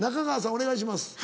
お願いします。